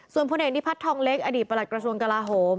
ส่วนพลเอกนิพัฒนทองเล็กอดีตประหลักกระทรวงกลาโหม